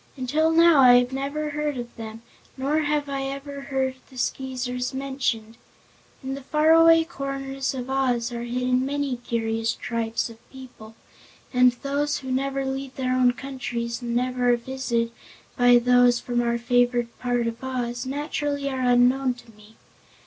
"Until now I never have heard of them, nor have I ever heard the Skeezers mentioned. In the faraway corners of Oz are hidden many curious tribes of people, and those who never leave their own countries and never are visited by those from our favored part of Oz, naturally are unknown to me.